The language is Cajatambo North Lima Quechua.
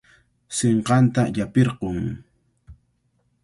Sinqanta llapirqun.